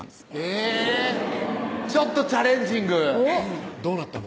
えぇちょっとチャレンジングどうなったの？